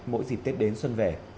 mỗi dịp tết đến xuân về